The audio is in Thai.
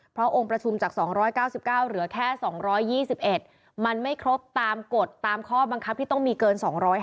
เพราะองค์ประชุมจาก๒๙๙เหลือแค่๒๒๑มันไม่ครบตามกฎตามข้อบังคับที่ต้องมีเกิน๒๕